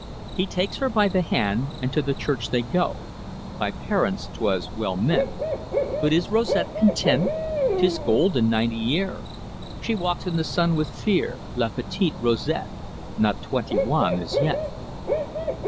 "He takes her by the hand, And to the church they go; By parents 'twas well meant, But is Rosette content? 'Tis gold and ninety year She walks in the sun with fear, La petit' Rosette, Not twenty one as yet!"